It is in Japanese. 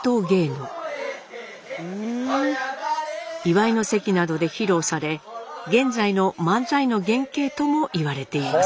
祝いの席などで披露され現在の漫才の原型ともいわれています。